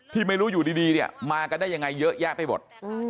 ที่ไม่รู้อยู่ดีเนี่ยมากันได้ยังไงเยอะแยะไปหมด